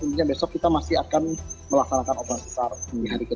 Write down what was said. tentunya besok kita masih akan melaksanakan operasi sar di hari ke tujuh